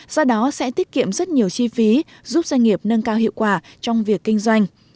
do đó sẽ tiết kiệm rất nhiều chi phí giúp doanh nghiệp nâng cao hiệu quả trong việc kinh doanh